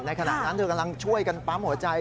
ขณะนั้นเธอกำลังช่วยกันปั๊มหัวใจ